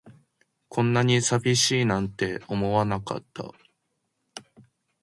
こんなに寂しいなんて思わなかった